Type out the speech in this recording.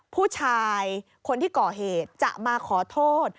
ผู้ชายคนที่ก่อเหตุจะมาขอโทษ